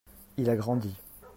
il a grandi.